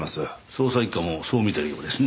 捜査一課もそう見てるようですね。